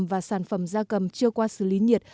và sản phẩm da cầm chưa qua xử lý nhiệt